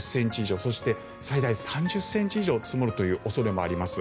そして最大３０ｃｍ以上積もる恐れもあります。